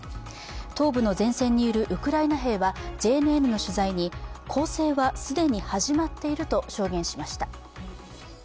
東部の前線にいるウクライナ兵はＪＮＮの取材に攻勢は既に始まっていると証言しました。